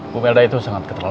kamu sudah cuman mau resting